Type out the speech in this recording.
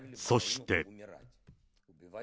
そして。